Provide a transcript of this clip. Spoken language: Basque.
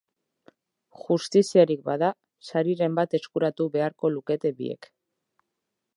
Justiziarik bada, sariren bat eskuratu beharko lukete biek.